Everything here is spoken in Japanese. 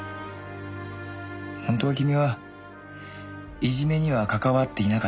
本当は君はいじめには関わっていなかった。